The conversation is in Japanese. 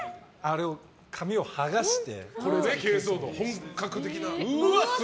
紙を剥がして。